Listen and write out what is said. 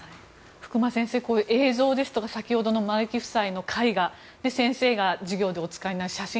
福間先生、映像ですとか先ほどの丸木夫妻の絵画先生が授業でお使いになる写真